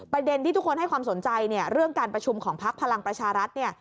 ประเด็นที่ทุกคนให้ความสนใจเรื่องการประชุมของภักดิ์พลังประชารัฐ